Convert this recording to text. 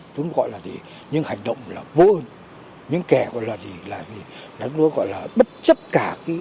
chúng gọi là những hành động vô ơn những kẻ gọi là bất chấp cả đạo lý của dân tộc